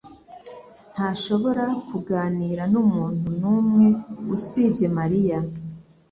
ntashobora kuganira numuntu numwe usibye Mariya.